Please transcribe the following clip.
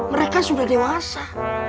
mereka sudah dewasa